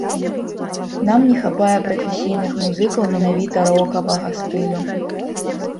Нам не хапае прафесійных музыкаў менавіта рокавага стылю.